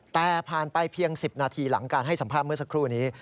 แต่ผ่านไปเพียง๑๐นาทีหลังการให้สัมภาษณ์เมื่อสักครู่นี้